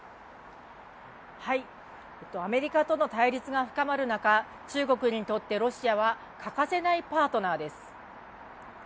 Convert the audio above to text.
アメリカとの対立が深まる中、中国にとってロシアは欠かせないパートナーです。